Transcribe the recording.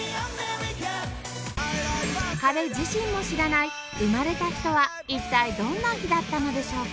彼自身も知らない生まれた日とは一体どんな日だったのでしょうか？